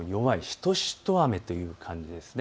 しとしと雨という感じです。